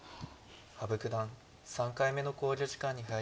羽生九段３回目の考慮時間に入りました。